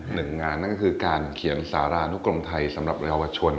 หนึ่งงานนั่นก็คือการเขียนสารานุกรมไทยสำหรับเยาวชน